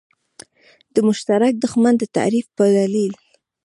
د مشترک دښمن د تعریف په دلیل.